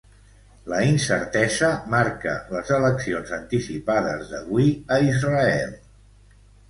La incertesa marca les eleccions anticipades d'avui a Israel.